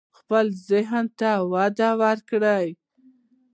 خپل ذهن ته وده ورکړئ.